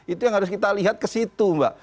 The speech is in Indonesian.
itu yang harus kita lihat ke situ mbak